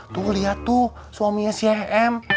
tuh lihat tuh suaminya si em